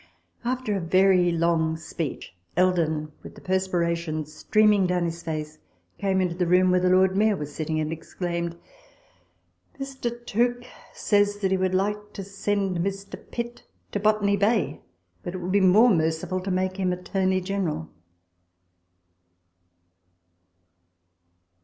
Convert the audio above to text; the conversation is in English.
After a very long speech, Eldon, with the prespira tion streaming down his face, came into the room where the Lord Mayor was sitting, and exclaimed, " Mr. Tooke says that he should like to send Mr. Pitt to Botany Bay ; but it would be more merciful to make him Attorney General."